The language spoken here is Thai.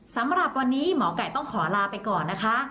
สำหรับวันนี้หมอไก่ต้องขอลาไปก่อนนะคะ